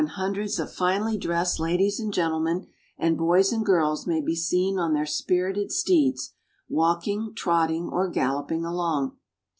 hundreds of finely dressed ladies and gentlemen and boys and girls may be seen on their spirited steeds, walking, trotting, or galloping along.